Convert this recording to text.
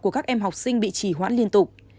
của các em học sinh bị trì hoãn liên tục